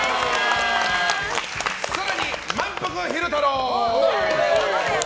更に、まんぷく昼太郎！